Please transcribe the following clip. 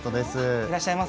いらっしゃいませ。